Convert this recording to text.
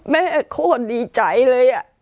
แม่โค้นดีใจเลย